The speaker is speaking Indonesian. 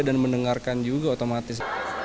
dan mendengarkan juga otomatis